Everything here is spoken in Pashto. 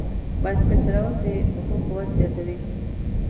بایسکل چلول د پښو قوت زیاتوي.